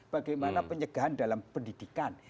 bagaimana pencegahan dalam pendidikan